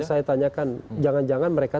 saya tanyakan jangan jangan mereka